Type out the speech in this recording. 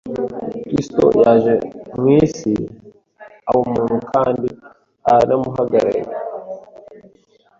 Kristo yaje mu isi, aba umuntu kandi aranamuhagararira